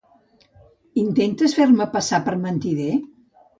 Intentes fer-me passar per mentider?